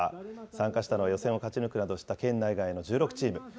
参加したのは予選を勝ち抜くなどした県内外の１６チーム。